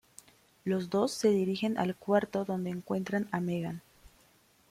Los dos se dirigen al cuarto donde encuentran a Megan.